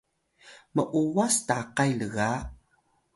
m’uwas takay lga